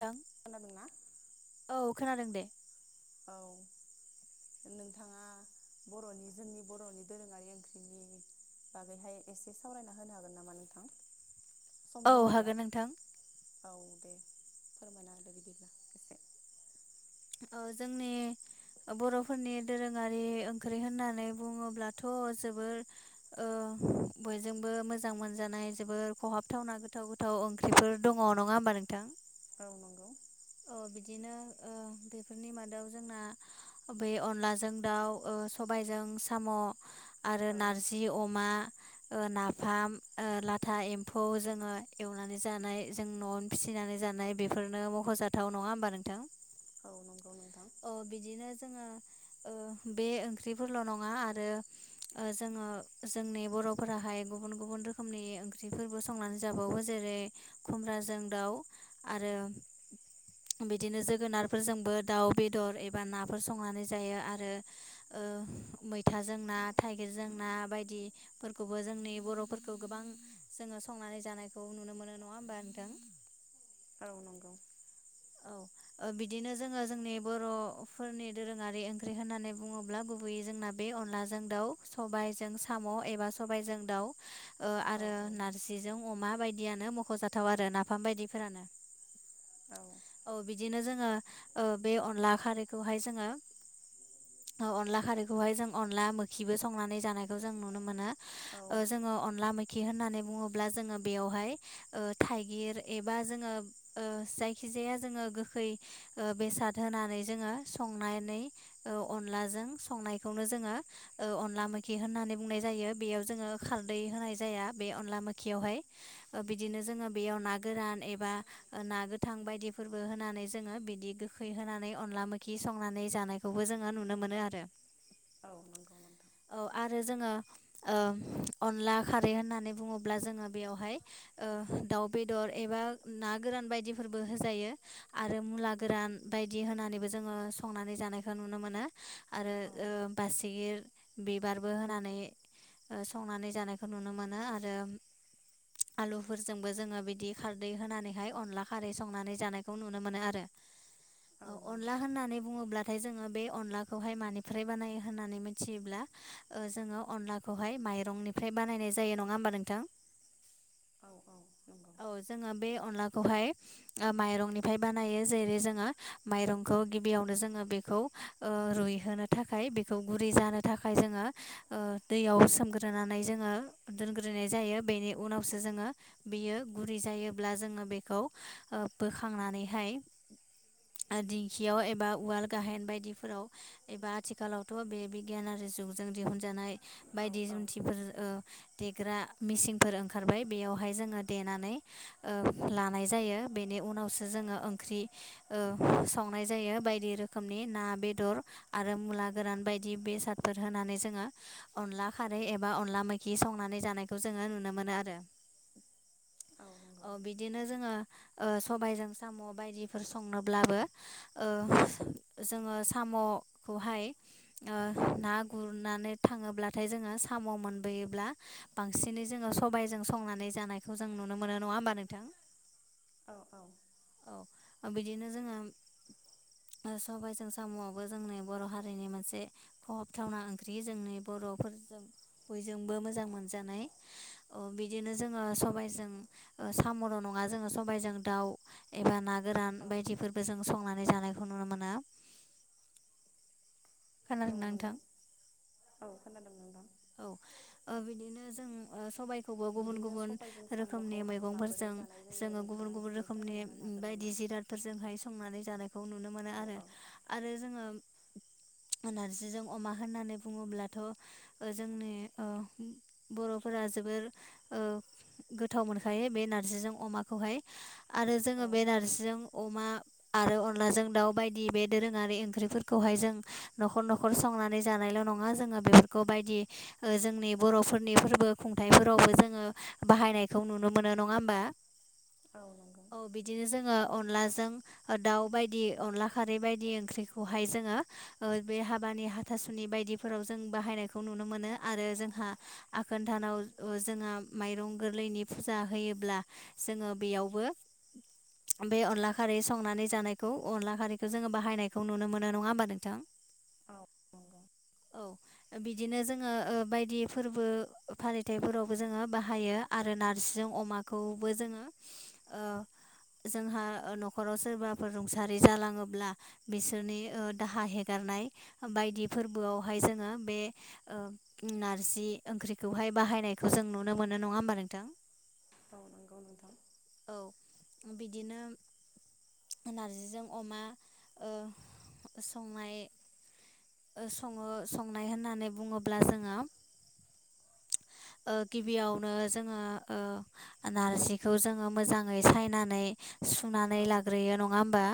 दा खोनादों ना? [inaudible] औ खोनादों दे। [unintelligible] औ। नोंथाङा बर'नि जोंनि बर'नि दोरोङारि ओंख्रिनि बागैहाय एसे सावरायना होनो हागोन नामा नोंथां। सम औ दोङब्ला हागोन नोंथां औ दे फोरमायना होदो बिदिब्ला एसे। [inaudible] ओ जोंनि बर'फोरनि दोरोङारि ओंख्रि होननानै बुङोब्लाथ' जोबोर ओ बयजोंबो मोजां मोनजानाय जोबोर खहाबथावना गोथाव गो थौ ओंख्रिफोर दङ नङा होमबा नोंथां? औ नंगौ। अ बिदिनो ओ बेफोरनि मादाव जोंना बे अनलाजों दाउ ओ सबायजों साम' आरो औ नारज दि अमा ओ नाफाम ओ लाथा एम्फौ जोङो एवनानै जानाय जों न' फिसिनानै जानाय बेफोरनो मख'जाथाव नङा होमबा नोंथां? औ नांगौ नोंथां। अ बिदिनो जोङो ओ बे ओंख्रिफोरल' नङा आरो ओ जोङो जोंनि बर'फोराहाय गुबुन गुबुन रोखोमनि ओंख्रिफोर बो संनानै जाबावो जेरै खुमब्राजों दाउ आरो [unintelligible] बिदिनो जोगोनारफोरजोंबो दाउ बेदर एबा नाफोर संनानै जायो आरो ओ मैथाजों ना थाइगिरजों ना बायदि फोरखौबो जोंनि बर'फोरखौ गोबां जोङो संनानै जानायखौ नुनो मोनो नङा होमबा नोंथां? औ नोंगौ। [unintelligible] औ ओ बिदिनो जोङो जोंनि बर'फोरनि दोरोङारि ओंख्रि होननानै बुङोब्ला गुबैयै जोंना बे अनलाजों दाउ सबायाइजों साम' एबा सबायाइजों दाउ ओ औ आरो नारजिजों अमा बायदियानो मख'जाथाव आरो नाफाम बायदिफोरानो। औ ‌। औ बिदिनो जोङो ओ बे अनला खारैखौहाय जोङो [unintelligible] न अनला खारैखौहाय जों अनला मोखिबो संनानै जानायखौ जों नुनो मोनो ओ औ जोङो अनला मै खि होननानै बुङोब्ला जोङो बेयावहाय ओ थाइगिर एबा जोङो ओ जाय खिजाया जोङो गोखै ओ बेसाद होनानै जोङो संनानै औ अनलाजों संनायखौनो जोङो ओ अनला मोखि होननानै बुंनाय जायो बेयाव जोङो खारदै होनाय जाया बे अनला मोखियावहाय ओ बिदिनो जोङो बेयाव ना गोरान एबा ना गो थां बायदिफोरबो होनानै जोङो बिदि गोखै होनानै अनला मोखि संनानै जानाय खौबो जोङो नुनो मोनो आरो। औ नंगौ नोंथां। औ आरो जोङो ओ अनला खारै होननानै बुङोब्ला जोङो बेयावहाय ओ दाउ बेदर एबा ना गोरान बायदि फोरबो होजायो आरो मुला गोरान बायदि होनानैबो जोङो संनानै जानायखौ नुनो मोनो आरो औ ओ बासिगिर बिबारबो होनानै ओ संनानै जानायखौ नुनो मोनो आरो आलुफोरजोंबो जोङो बिदि खारदै होनानैहाय अनला खारै संनानै जानायखौ नुनो मोनो आरो। औ अनला होननानै बुङोब्लाद नाथाय जोङो बे अनलाखौहाय मानिफ्राय बानायो होननानै मिथियोब्ला ओ जोङो अनलाखौहाय माइरंनिफ्राय बानायनाय जायो नङा होमबा नोंथां औ औ नंगौ। औ जोङो बे अनलाखौहाय ओ माइरंनिफ्राय बानायो जेरै जोङो माइरंखौ गिबियावनो जोङो बेखौ ओ रुइहोनो थाखाय बेखौ गुरै जानो थाखाय जोङो ओ दैयाव सोमग्रोनानै जोङो दोनग्रोनाय जायो बेनि उनावसो जोङो बियो गुरै जायोब्ला जोङो बेखौ ओ बोखांनानैहाय आरो दिंखियाव एबा उवाल गाहेन बायदिफोराव एबा आथिखालावथ' बे बिगियानारि जुगजों दिहुनजानाय बायदि औ औ जुन्थिफोर ओ देग्रा मेचिनफोर ओंखारबाय बेयावहाय जोङो देनानै ओ ला नायजायो बेनि उनावसो जोङो ओंख्रि ओ संनाय जायो बायदि रोखोमनि ना बेदर आरो मुला गोरान बायदि बेसादफोर होनानै जोङो अनला खारै एबा अनला मैखि संनानै जानायखौ जोङो नुनो मोनो आरो [inaudible] नंगौ औ बिदिनो जोङो सबायजों साम' बायदिफोर संनोब्लाबो ओ जोङो साम'खौहाय ओ ना गुरनानै थाङोब्लाथाय जोङो साम' मोनबोयोब्ला बांसिनै जोङो सबायाइजों संनानै जानायखौ जों नुनो मोनो नङा होमबा नोंथां औ औ औ बिदिनो जोङो सबायाइजों साम'आवबो जोंनि बर' हारिनि मोनसे खहाबथावना ओंख्रि जोंनि बर'फोरजों बयजोंबो मोजां मोनजानाय बिदिनो जोङो सबायजों ओ सामरन आ जोङो सबायजों दाउ एबा ना गोरान औ बायदिफोरबो जों संनानै जानायखौ नुनो मोनो। औ खोनादोंना नोंथां नंगौ औ खोनादों नोंथां। औ ओ बिदिनो जों सबाय खौबो गुबुन बिदिनो गुबुन सबायजों रोखोमनि साम'खौहाय माबोरै मैगंफोरजों जानाय जायो जोङो गुबुन नोंथाङा गुबुन एसे रोखोमनि फोरमायना होनो हागोन नामा? बायदि जिराद फोरजोंहाय संनानै जानायखौ नुनो मोनो औ आरो औ आरो जोङो नारजिजों अमा होननानै बुङोब्लाथ' जोंनि ओ बर'फोरा जोबोर ओ गोथाव मोनखायो बे नार्जिजों अमाखौहाय आरो जोङो बे औ नारजिजों अमा आरो अनलाजों दाउ बायदि बे दोरोङारि ओंख्रिफोरखौहाय जों न'खर न'खर संनानै जानायल' नङा जोङो बेफोरखौ बायदि ओ जोंनि बर'फोरनि फोरबो खुंथाइफोरावबो जोङो बाहायनायखौ नुनो मोनो नङा होमबा औ नंगौ। औ बिदिनो जोङो अनलाजों दाउ बायदि अनला खारै बायदि ओंख्रिखौहाय जोङो ओ बे हाबानि हाथासुनि बायदिफोराव जों बाहायनायखौ नुनो मोनो आरो जोंहा आगोन दानाव जोंहा माइरं गोरलैनि फुजा होयोब्ला जोङो बेयावबो [inaudible] बे अनला खारै संनानै जानायखौ अनला खारैखौ जोङो बाहायनायखौ नुनो मोनो नङा होमबा नोंथां औ नंगौ। औ बिदिनो जोङो ओ बायदि फोरबो फालिथायाइफोरावबो जोङो बाहायो। आरो नारजिजों अमाखौबो जोङो जोंहा ओ न'खराव सोरबाफोर रुंसारि जालाङोब्ला बिसोरनि दाहा हेगारनाय बायदि फोरबोआवहाय जोङो बे नारजि ओंख्रिखौहाय बाहायनायखौ जों नुनो मोनो नङा होनबा नोंथां। औ नोंगौ नोंथां औ बिदिनो नारजिजों अमा ओ संनाय ओ सङो संनाय होननानै बुङोब्ला जोङो ओ गिबियावनो जोङो ओ नारजिखौ जोङो मोजाङै सायनानै सुनानै औ लाग्रोयो नङा होमबा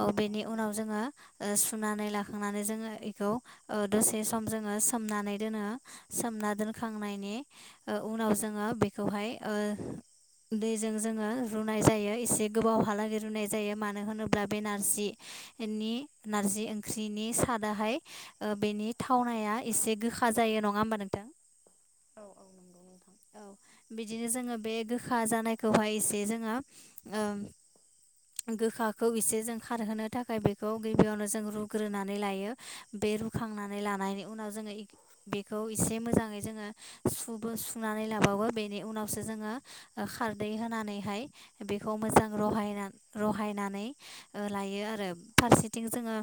औ बेनि उनाव जोङो ओ सुनानै लाखांनानै जोङो इखौ ओ दसे सम जोङो सोमना‌ जोंखांनायनि ओ उनाव जोङो बेखौहाय ओ दैजों जोङो रुनाय जायो एसे गोबावहालागै रुनाय जायो मानो होनोब्ला बे नारजि नि नारजि ओंख्रिनि सादाहाय बेनि थावनाया एसे गोखा जायो नङा होमबा नोंथां औ औ नंगौ नोंथां औ बिदिनो जोङो बे गोखा जानायखौहाय एसे जोङो [unintelligible] गोखाखौ एसे जों खारहोनो थाखाय बेखौ गिबियावनो जों रुग्रोनानै लायो बे रु खांनानै लानायनि उनाव जोङो इ बेखौ एसे मोजाङै जोङो सुबो सुनानै लाबावो बेनि उनावसो जोङो खारदै होनानैहाय बेखौ मोजां रहायना रहायनानै ओ लायो आरो फारसेथिं जोङो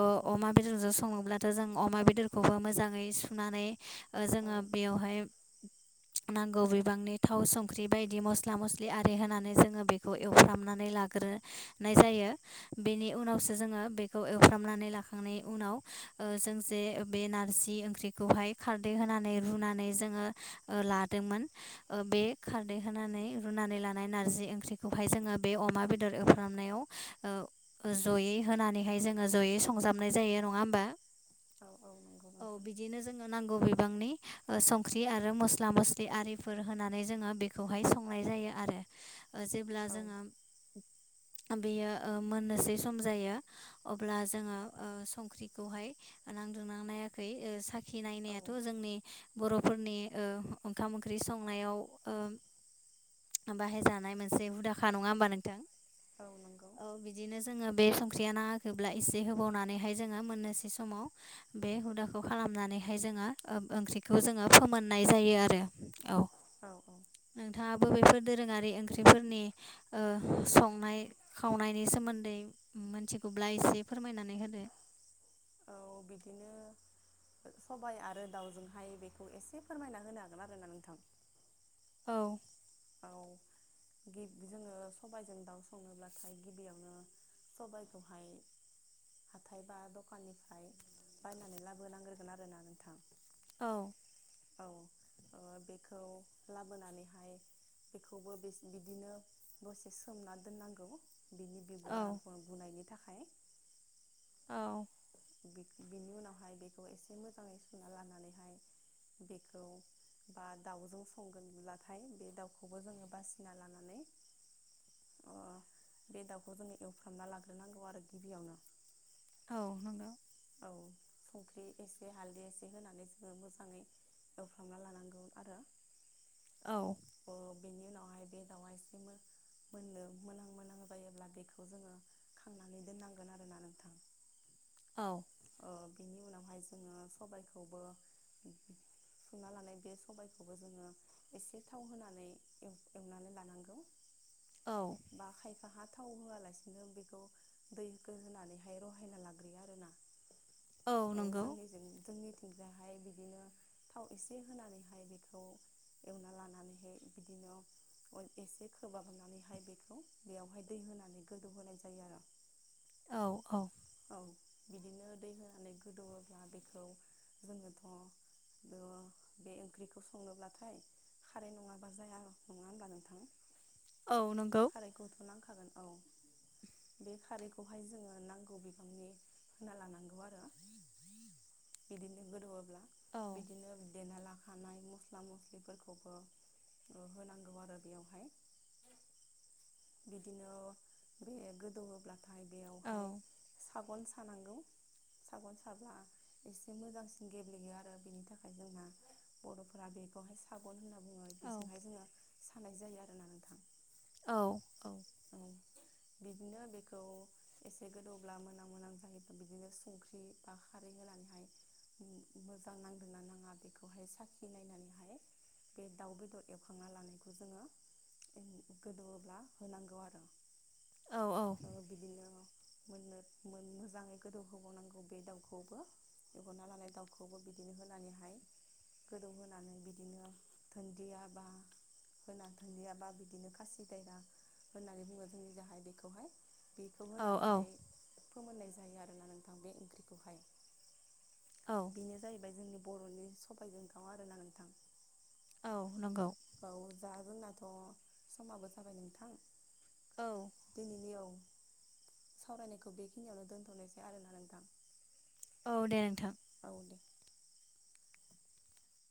अ-अमा बेदरजों सङोब्ला दा जों अमा बेदरखौबो मोजाङै सुनानै ओ औ जोङो बेवहाय नांगौ बिबांनि थाव संख्रि बायदि मस्ला मस्लि आरि होनानै जोङो बेखौ एवफ्रामनानै लाग्रो नाय जायो बेनि उनावसो जोङो बेखौ एवफ्रामनानै लाखांनायनि उनाव ओ जों जे बे नारजि ओंख्रिखौहाय खारदै होनानै रुनानै जोङो ओ लादोंमोन बे खारदै होनानै रुनानै लानाय नारजि ओंख्रिखौहाय जोङो बे अमा बेदर एवफ्रामनायाव ओ जयै होनानैहाय जोङो जयै संजाबनाय जायो नङा होमबा औ औ नंगौ औ नोंथां बिदिनो जोङो नांगौ बिबांनि संख्रि आरो मस्ला मस्लि आरिफोर होनानै जोङो बेखौहाय संनाय जायो आरो ओ जेब्ला औ जोङो बेयो ओ मोननोसै सम जायो अब्ला जोङो ओ संख्रिखौहाय नांदोंना नायाखै साखि नायनायाथ' औ जोंनि बर'फोरनि ओ ओंखाम ओंख्रि संनायाव ओ बाहाय जानाय मोनसे हुदाखा नङा होमबा नोंथां औ नंगौ औ बिदिनो जोङो बे संख्रिया नाङाखैब्ला एसे होबावनानैहाय जोङो मोननोसै समाव बे हुदाखौ खालामनानैहाय जोङो ओ ओंख्रिखौ जोङो फोमोननाय जायो आरो औ औ औ नोंथाङाबो बेफोर दोरोङारि ओंख्रिफोरनि संनाय खावनायनि सोमोन्दै मिथिगौब्ला एसे फोरमायनानै होदो औ बिदिनो सबाय आरो दाउजोंहाय बेखौ एसे फोरमायना होनो हागोन आरोना नोंथां औ औ गिब जोङो सबायजों दाउ सनोब्लाथाय गिबियावनो सबाइखौहाय हाथाय बा दखाननिफ्राय बायनानै लाबोनांग्रोगोन आरोना नोंथां औ औ बेखौ लाबोनानैहाय बेखौबो बेस बिदिनो दसे सोमना दोननांगौ बिनि बिगुरा बुनायनि थाखाय औ बिनि उनावहाय बेखौ एसे मोजाङै सुना लानानैहाय बेखौ बा दाउजों संगोनब्लाथाय बे दाउख खौबो जोङो बासिना लानानै अ बे दाउखौ जोङो एवफ्रामना लाग्रोनांगौ आरो गिबियावनो औ नंगौ औ संख्रि एसे हालदै एसे होनानै जोङो मोजाङै एवफरामना लानांगौ आरो औ बेनि उनावहाय बे दाउआ एसे मोन मोननो मोनहां मोनहां जायोब्ला बेखौ जोङो खांनानै दोननांगोन आरोना नोंथां औ बिनि उनावहाय जोङो सबायखौबो सुना लानाय बे सबायखौबो जोङो एसे थाव होनानै एवनानै लानांगौ औ बा खायफा हा थाव होआलासिनो बेखौ दैखौ होनानैहाय रहायना लाग्रोयो आरोना औ जोंनि जोंनि जाहाय बिदिनो थाव एसे होनानैहाय बेखौ एवना लानानैहाय बिदिनो एसे खोब हाबनानैहाय बेखौ बेयावहाय दै होनानै गोदौहोनाय जायो आरो औ औ औ बिदिनो दै होनानै गोदौओब्ला बेखौ जोङोथ' बे ओंख्रिखौ संनोब्लाथाय खारै नङा बा जाया नङा होनब्ला नोंथां औ नंगौ ओमफ्राय खारैखौथ'नांखागोन औ बे खारैखौहाय जोङो नांगौ बिबांनि होना लानांगौ आरो बिदिनो गोदौओब्ला औ बिदिनो देना लाखानाय मस्ला मस्लिफोरखौबो होनांगौ आरो बेवहाय बिदिनो बे गोदौओब्लाथाय औ बेवहाय सागन सानांगौ सागन साब्ला एसे मोजांसिन गेब्लेयो आरो बेनि थाखाय जोंहा बर'फोरा बेखौहाय सागन होनना बुङो औ बेजोंहाय जोङो सानाय जायो आरोना नोंथां औ औ बिदिनो बेखौ एसे गोदौब्ला मोनहां मोनहां जायोब्ला बिदिनो संख्रि बा खारै होनानैहाय मोजां नांदोंना नाङा बेखौहाय साखि नायनानैहाय बे दाउ बेदर बेदर एवखांना लानायखौ जोङो गोदौओब्ला होनांगौ आरो औ औ बिदिनो मोननो मोन मोजाङै गोदौ होबावनांगौ बे दाउखौबो एवगोरना लानाय दाउखौबो बिदिनो होनानैहाय गोदौहोनानै बिदिनो थोन याबा होना थोनदियाबा बिदिनो खासि दाया होननानै बुङो जोंनि जाहाय बेखौहाय बेखौ औ औ होनानैहाय फोमोननाय जायो आरोना नोंथां बे ओंख्रिखौहाय औ बेनो जाहैबाय जोंनि बर'नि सबायजोंथाव आरोना नोंथां औ नंगौ औ जा जोंनाथ' समाबो जाबाय नोंथां औ दिनैनि औ सावरायनायखौ बेखिनियावनो दोनथ'नायसै आरोोना नोंथां औ दे नोंथां आावले